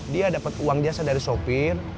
dia dapat uang jasa dari sopir